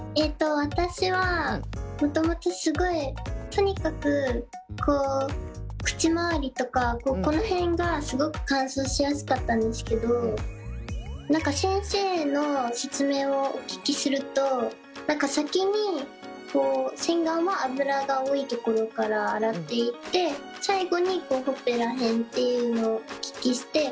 私はもともとすごいとにかく口周りとかこの辺がすごく乾燥しやすかったんですけど何か先生の説明をお聞きすると先に洗顔は脂が多いところから洗っていって最後にほっぺら辺っていうのをお聞きして。